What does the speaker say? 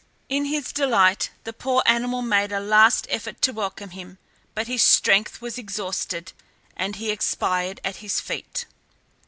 In his delight the poor animal made a last effort to welcome him; but his strength was exhausted, and he expired at his feet.